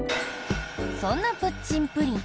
そんなプッチンプリン。